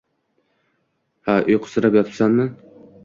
Ha, uyqusirab yotibsanmi